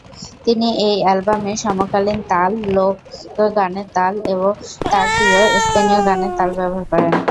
তিনি এই অ্যালবামে সমকালীন তাল, লোক গানের তাল ও তার প্রিয় স্পেনীয় গানের তাল ব্যবহার করেন।